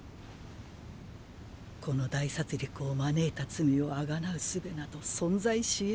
この大殺戮を招いた罪を贖う術など存在し得ないでしょう。